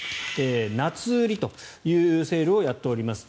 夏売りというセールをやっております。